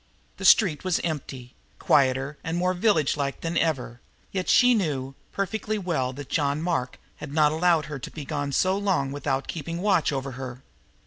The street was empty, quieter and more villagelike than ever, yet she knew perfectly well that John Mark had not allowed her to be gone so long without keeping watch over her.